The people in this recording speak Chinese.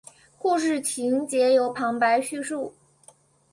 故事情节由旁白叙述。